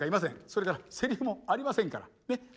それからセリフもありませんから。ね？